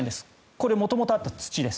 これ、元々あった土です。